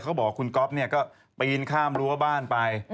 เขาบอกคุณก๊อฟเนี่ยก็ปีนข้ามรั้วบ้านไป